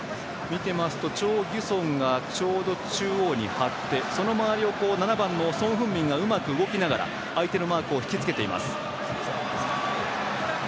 見てますとチョ・ギュソンがちょうど中央に張ってその周りを７番のソン・フンミンがうまく動きながら相手のマークをひきつけています。